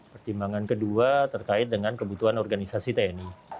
pertimbangan kedua terkait dengan kebutuhan organisasi tni